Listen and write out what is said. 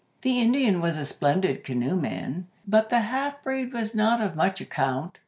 The Indian was a splendid canoe man, but the half breed was not of much account.